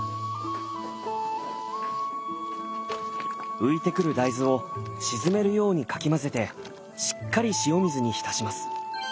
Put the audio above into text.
浮いてくる大豆を沈めるようにかき混ぜてしっかり塩水に浸します。